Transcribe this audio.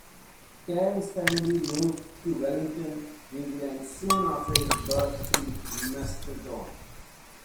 Kan's family moved to Wellington, New Zealand soon after his birth in Masterton.